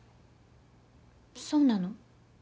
そうなの？